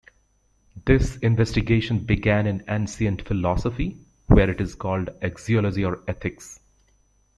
This investigation began in ancient philosophy, where it is called axiology or ethics.